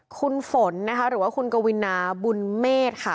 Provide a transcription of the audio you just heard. คุณฝนนะคะหรือว่าคุณกวินาบุญเมษค่ะ